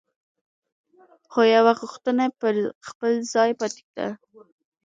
خو یوه غوښتنه پر خپل ځای پاتې ده.